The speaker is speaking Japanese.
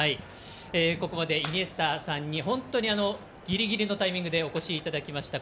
ここまでイニエスタさんに本当にギリギリのタイミングでお越しいただきました。